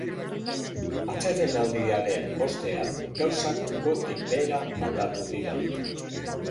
Atsedenaldiaren ostean, gauzak gotik behera aldatu dira.